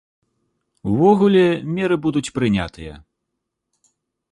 Увогуле, меры будуць прынятыя.